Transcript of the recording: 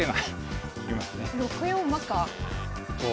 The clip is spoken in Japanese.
６四馬か。